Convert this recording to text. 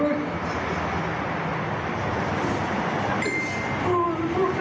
อืมดูแลปุ่มผมเลย